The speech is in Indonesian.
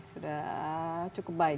sudah cukup baik